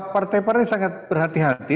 partai partai sangat berhati hati